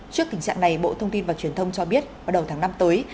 trước tình trạng này bộ thông tin và truyền thông cho biết vào đầu tháng năm tới